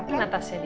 mana tasnya dia